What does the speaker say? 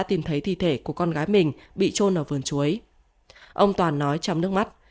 tìm thấy thi thể của con gái mình bị trôn ở vườn chuối ông toàn nói trong nước mắt